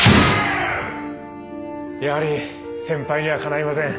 やはり先輩にはかないません。